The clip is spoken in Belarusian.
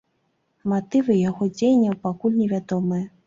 Матывы яго дзеянняў пакуль невядомыя.